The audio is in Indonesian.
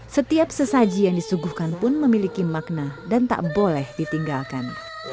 setiap sesaji yang disuguhkan pun memiliki makna dan tak boleh ditinggalkan